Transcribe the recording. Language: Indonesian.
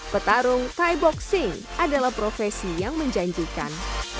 petarung thai boxing adalah profesi yang menjanjikan